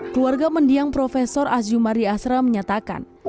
keluarga mendiang prof aziumardi azra menyatakan